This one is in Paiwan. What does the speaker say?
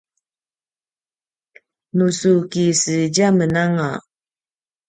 nu su kisedjamen anga